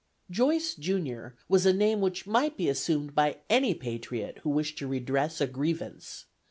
"Joice junior" was a name which might be assumed by any patriot who wished to redress a grievance.